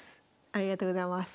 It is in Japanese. ありがとうございます。